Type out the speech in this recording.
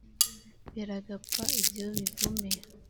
biragapfa ibyo bivume